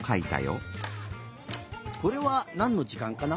これはなんのじかんかな？